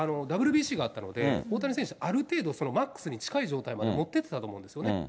なんだけどＷＢＣがあったので、大谷選手、ある程度、マックスに近い状態まで持ってってたと思うんですよね。